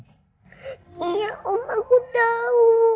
iya om aku tau